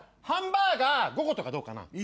ハンバーガー５個とかどうかな？